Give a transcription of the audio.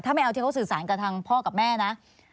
ถ้าไม่เอาที่เขาสื่อสารกับทางพ่อกับแม่นะ